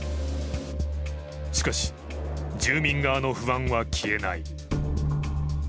しかし、住民側の不安は消えない。